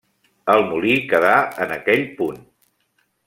El molí queda en aquell punt.